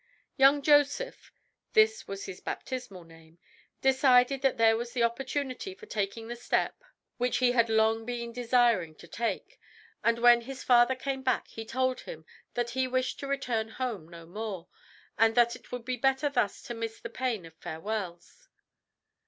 Young Joseph (this was his baptismal name) decided that there was the opportunity for taking the step which he had long been desiring to take, and when his father came back he told him that he wished to return home no more, and that it would be better thus to miss the pain of farewells.